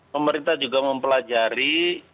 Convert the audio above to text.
pemerintah juga mempelajari